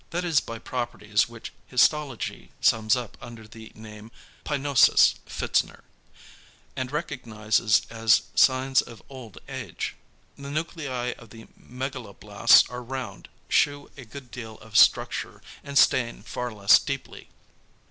That is by properties which histology sums up under the name =Pyknosis= (Pfitzner) and recognises as signs of old age. The nuclei of the megaloblasts are round, shew a good deal of structure, and stain far less deeply.